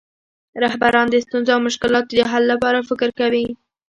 رهبران د ستونزو او مشکلاتو د حل لپاره فکر کوي.